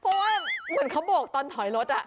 เพราะว่าเหมือนเขาบวกตอนถอยรถ